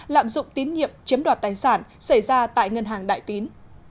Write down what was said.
lạm dụng tín nhiệm chiếm đoạt tài sản xảy ra tại ngân hàng đại tín